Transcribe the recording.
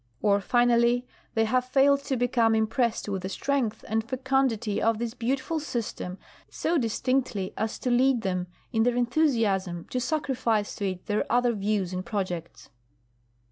Or, finally, they have failed to become impressed with the strength and fecundity of this beautiful system so distinctly as to lead them, in their enthusiasm, to sacrifice to it their other views and projects.